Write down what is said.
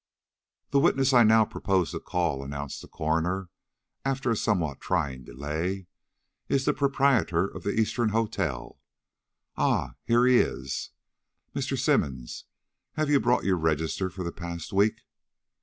"The witness I now propose to call," announced the coroner, after a somewhat trying delay, "is the proprietor of the Eastern Hotel. Ah, here he is. Mr. Symonds, have you brought your register for the past week?"